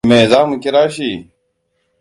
Me za mu kira shi?